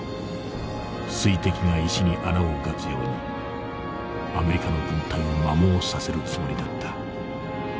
水滴が石に穴を穿つようにアメリカの軍隊を摩耗させるつもりだった」。